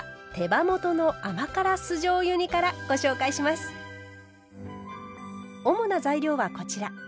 まずは主な材料はこちら。